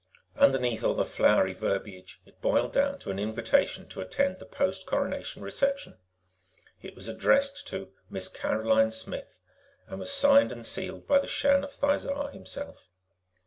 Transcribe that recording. Underneath all the flowery verbiage, it boiled down to an invitation to attend the post Coronation reception. It was addressed to "Miss Caroline Smith" and was signed and sealed by the Shan of Thizar himself.